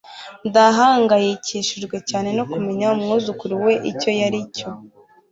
Ndahangayikishijwe cyane no kumenya umwuzukuru we icyo ari cyo